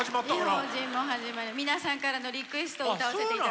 「異邦人」も始まり皆さんからのリクエストを歌わせていただいてるんです。